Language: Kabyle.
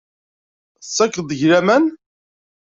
Tettakeḍ deg-i laman?